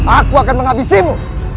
aku akan menghabisimu